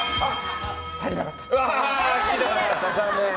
足りなかった。